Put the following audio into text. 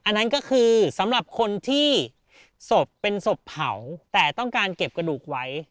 อันนั้นก็คือสำหรับคนที่ศพเป็นศพเผาแต่ต้องการเก็บกระดูกไว้